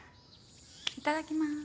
いただきまーす。